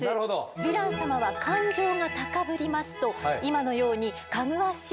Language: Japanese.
ヴィラン様は感情が高ぶりますと今のようにかぐわしい